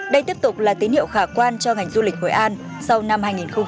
đây tiếp tục là tín hiệu khả quan cho ngành du lịch hội an sau năm hai nghìn hai mươi